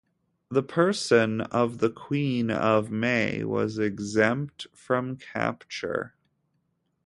The person of the Queen of May was exempt from capture.